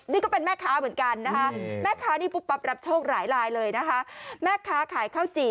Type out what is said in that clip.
นี่ก็เป็นแม่ค้าเหมือนกันนะคะแม่ค้านี่ปุ๊บปั๊บรับโชคหลายลายเลยนะคะแม่ค้าขายข้าวจี่